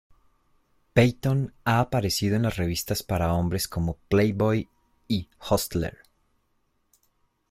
Peyton ha aparecido en las revistas para hombres como Playboy y Hustler.